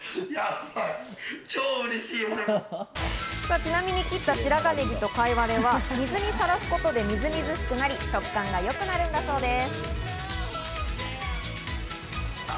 ちなみに切った白髪ネギとカイワレは水にさらすことでみずみずしくなり、食感が良くなるんだそうです。